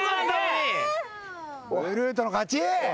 ブルートの勝ち。